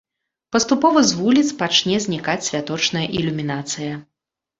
Паступова з вуліц пачне знікаць святочная ілюмінацыя.